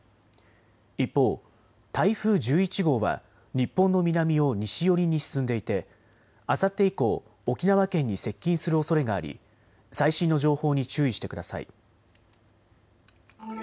一方、台風１１号は日本の南を西寄りに進んでいてあさって以降、沖縄県に接近するおそれがあり最新の情報に注意してください。